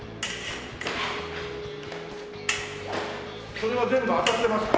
それは全部当たってますか？